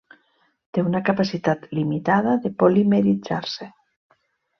Té una capacitat limitada de polimeritzar-se.